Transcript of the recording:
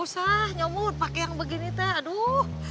susah nyamut pake yang begini teh aduh